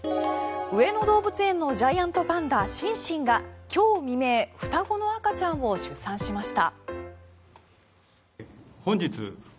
上野動物園のジャイアントパンダシンシンが今日未明、双子の赤ちゃんを出産しました。